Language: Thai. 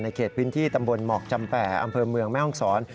เขตพื้นที่ตำบลหมอกจำแป่อำเภอเมืองแม่ห้องศร